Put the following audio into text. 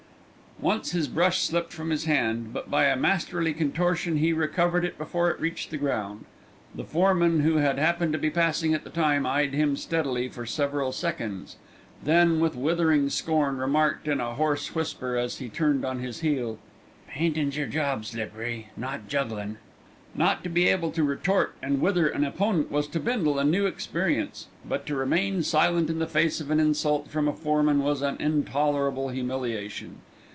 Once his brush slipped from his hand, but by a masterly contortion he recovered it before it reached the ground. The foreman, who happened to be passing at the time, eyed him steadily for several seconds, then with withering scorn remarked in a hoarse whisper as he turned on his heel: "Paintin's your job, slippery, not jugglin'." Not to be able to retort and wither an opponent was to Bindle a new experience; but to remain silent in the face of an insult from a foreman was an intolerable humiliation.